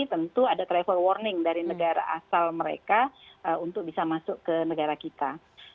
tentu ada travel warning dari negara asal mereka untuk bisa masuk ke negara kita